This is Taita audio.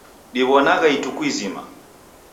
Diwonanagha ituku izima